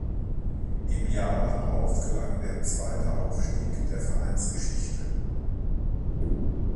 Im Jahr darauf gelang der zweite Aufstieg der Vereinsgeschichte.